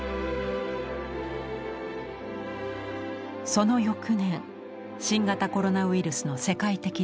その翌年新型コロナウイルスの世界的流行。